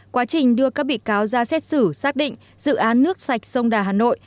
quá trình đưa các bị cáo ra xét xử xác định dự án nước sạch sông đà hà nội